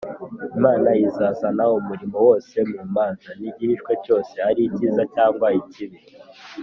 “imana izazana umurimo wose mu manza, n’igihishwe cyose ari icyiza cyangwa ikibi